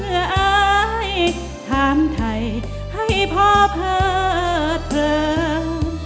เงื่ออายถามใจให้พ่อเผิดเผิด